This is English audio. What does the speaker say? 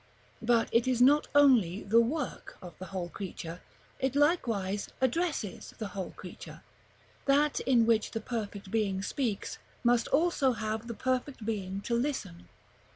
But it is not only the work of the whole creature, it likewise addresses the whole creature. That in which the perfect being speaks, must also have the perfect being to listen.